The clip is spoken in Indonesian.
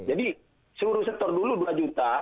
jadi suruh setor dulu dua juta